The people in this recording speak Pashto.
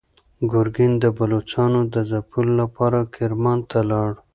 ګورګین د بلوڅانو د ځپلو لپاره کرمان ته لاړ.